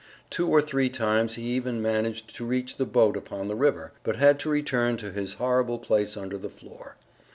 Two or three times he even managed to reach the boat upon the river, but had to return to his horrible place under the floor.